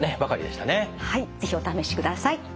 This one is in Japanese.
はい是非お試しください。